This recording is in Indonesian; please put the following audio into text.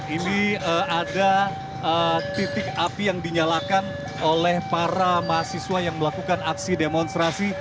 ini ada titik api yang dinyalakan oleh para mahasiswa yang melakukan aksi demonstrasi